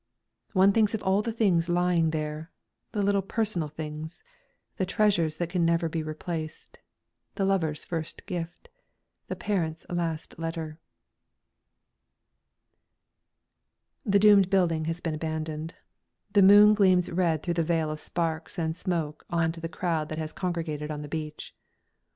One thinks of all the things lying there the little personal things the treasures that can never be replaced the lover's first gift, the parent's last letter. The doomed building has been abandoned. The moon gleams red through the veil of sparks and smoke on to the crowd that has congregated on the beach.